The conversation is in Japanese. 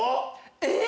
えっ！？